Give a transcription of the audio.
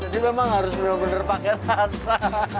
jadi memang harus benar benar pakai rasa